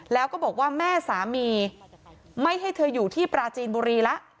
แล้วก็บอกว่าแม่สามีไม่ให้เธออยู่ที่ปราจีนบุรีละ